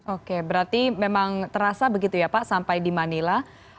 oke berarti memang terasa begitu ya pak sampai di manila